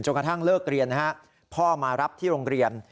กระทั่งเลิกเรียนนะฮะพ่อมารับที่โรงเรียน